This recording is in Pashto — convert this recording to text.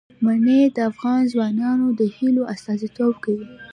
منی د افغان ځوانانو د هیلو استازیتوب کوي.